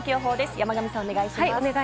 山神さん、お願いします。